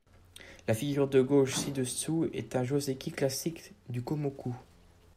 La figure de gauche ci-dessous est un joseki classique du komoku.